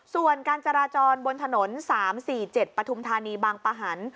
ส่วนการจราจรบนถนน๓๔๗ปฐุมธานีบางปะหัน